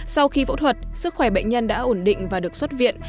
sau khi phẫu thuật sức khỏe bệnh nhân đã ổn định và được xuất viện